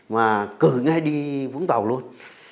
mà cởi ngay đi vũng tàu luôn